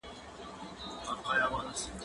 زه به اوږده موده مينه څرګنده کړې وم!؟